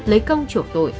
lấy công chuộc tội